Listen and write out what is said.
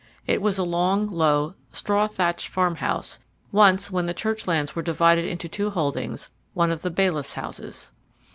It was a long, low, straw thatched farm house, once, when the church lands were divided into two holdings, one of the bailiff's houses.